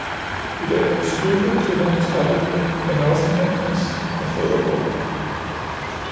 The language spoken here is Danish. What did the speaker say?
I dag har vi styrket kvindernes rettigheder, men også mændenes med fædreorloven.